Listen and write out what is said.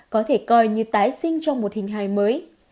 có thể coi như tái sinh trong một hình hài mới